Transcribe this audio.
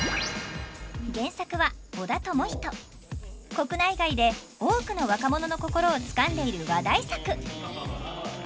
国内外で多くの若者の心をつかんでいる話題作！